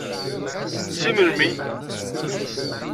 Si melmi.